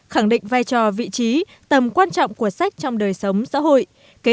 khẳng định vai trò vị trí tầm quan trọng của sách trong đời sống xã hội